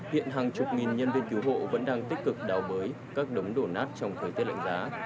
hiện hàng chục nghìn nhân viên cứu hộ vẫn đang tích cực đào bới các đống đổ nát trong thời tiết lạnh giá